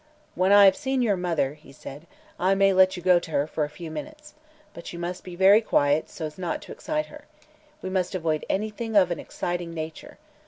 "When I have seen your mother," said he, "I may let you go to her for a few minutes. But you must be very quiet, so as not to excite her. We must avoid anything of an exciting nature.